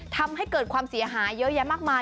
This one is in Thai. ทำให้เกิดความเสียหายเยอะแยะมากมาย